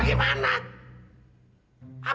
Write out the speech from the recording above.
ngelakuin hal seperti ini pak